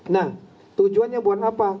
nah tujuannya bukan apa